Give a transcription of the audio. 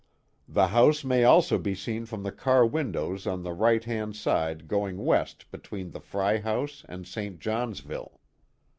The house may also be seen from the car windows on the right hand side going west betweea the Frey house and Sl Johnsvilltf.